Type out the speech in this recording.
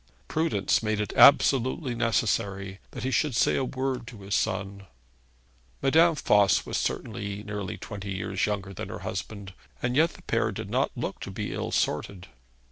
Prudence made it absolutely necessary that he should say a word to his son. Madame Voss was certainly nearly twenty years younger than her husband, and yet the pair did not look to be ill sorted.